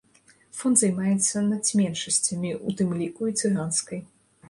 Фонд займаецца нацменшасцямі, у тым ліку і цыганскай.